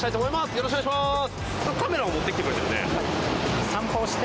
よろしくお願いします！